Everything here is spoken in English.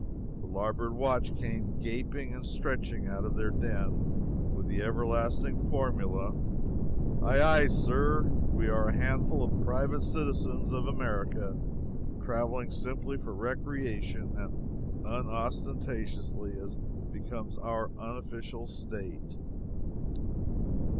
the larboard watch came gaping and stretching out of their den, with the everlasting formula: "Aye aye, sir! We are a handful of private citizens of America, traveling simply for recreation, and unostentatiously, as becomes our unofficial state!"